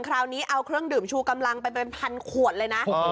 คราวนี้เอาเครื่องดื่มชูกำลังไปเป็นพันขวดเลยนะ